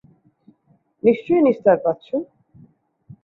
নিশ্চয়ই নিস্তার পাচ্ছো।